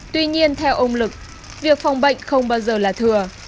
tuy nhiên theo ông lực việc phòng bệnh không bao giờ là thừa